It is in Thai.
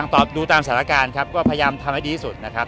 ตอบดูตามสถานการณ์ครับก็พยายามทำให้ดีที่สุดนะครับ